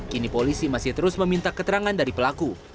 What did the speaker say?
kini polisi masih terus meminta keterangan dari pelaku